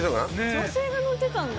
女性が乗ってたんだ。